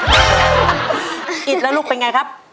อิทธิ์แล้วลูกเป็นไงครับ